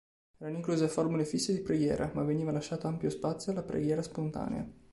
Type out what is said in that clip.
Erano incluse formule fisse di preghiera, ma veniva lasciato ampio spazio alla preghiera spontanea.